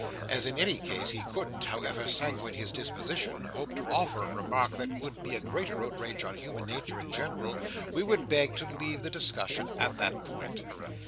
As in any case, he couldn't, however sanguine his disposition, hope to offer a remark that would be a greater outrage on human nature in general, we would beg to leave the discussion at that point.